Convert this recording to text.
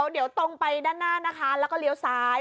เดี๋ยวตรงไปด้านหน้านะคะแล้วก็เลี้ยวซ้าย